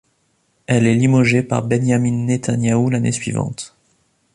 Elle est limogée par Benyamin Netanyahou l’année suivante.